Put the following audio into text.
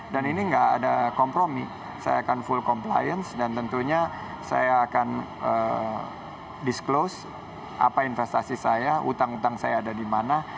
dan ini nggak ada kompromi saya akan full compliance dan tentunya saya akan disclose apa investasi saya utang utang saya ada di mana